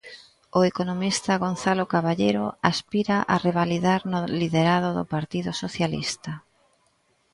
O economista Gonzalo Caballero aspira a revalidar no liderado do Partido Socialista.